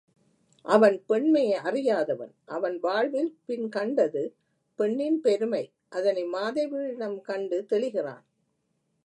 அவன் பெண்மையை அறியாதவன் அவன் வாழ்வில் பின் கண்டது பெண்ணின் பெருமை அதனை மாதவியிடம் கண்டு தெளிகிறான்.